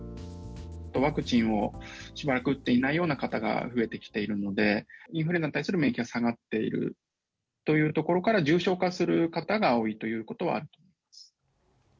ワクチンをしばらく打っていないような方が増えてきているので、インフルエンザに対する免疫が下がっているというところから、重症化する方が多いということはあります。